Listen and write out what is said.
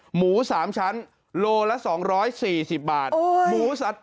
หมูสามชั้นโลละ๒๔๐บาท